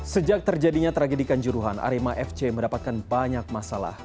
sejak terjadinya tragedikan juruhan arema fc mendapatkan banyak masalah